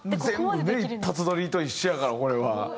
全部ね一発どりと一緒やからこれは。